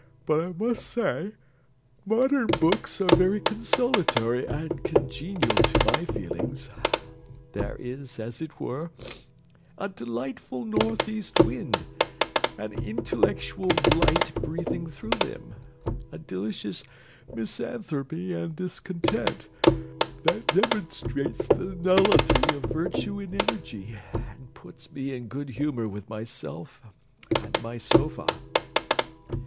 But I must say, modern books are very consolatory and congenial to my feelings. There is, as it were, a delightful north east wind, an intellectual blight breathing through them; a delicious misanthropy and discontent, that demonstrates the nullity of virtue and energy, and puts me in good humour with myself and my sofa.